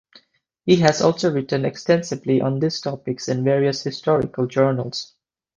He has also written extensively on these topics in various historical journals.